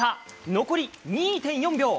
残り２．４秒。